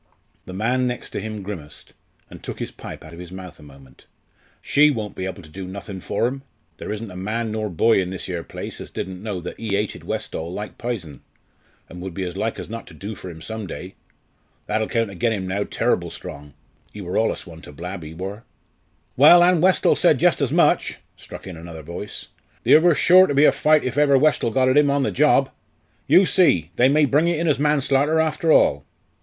The man next him grimaced, and took his pipe out of his mouth a moment. "She won't be able to do nothin' for 'im! There isn't a man nor boy in this 'ere place as didn't know as ee hated Westall like pison, and would be as like as not to do for 'im some day. That'll count agen 'im now terrible strong! Ee wor allus one to blab, ee wor." "Well, an' Westall said jus' as much!" struck in another voice; "theer wor sure to be a fight iv ever Westall got at 'im on the job. You see they may bring it in manslarter after all."